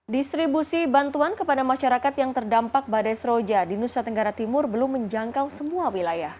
distribusi bantuan kepada masyarakat yang terdampak badai seroja di nusa tenggara timur belum menjangkau semua wilayah